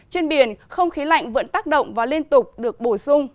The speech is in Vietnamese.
trên biển không khí lạnh vẫn tác động và liên tục được bổ sung